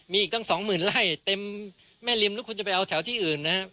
มีอีกตั้ง๒๐๐๐๐ไร่เต็มแม่ริมลูกคุณจะไปเอาแถวที่อื่นนะ